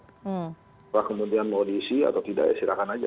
kalau kemudian mau diisi atau tidak ya silahkan aja